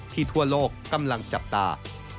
ทั่วโลกกำลังจับตา